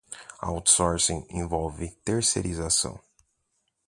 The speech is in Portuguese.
Outsourcing envolve terceirização.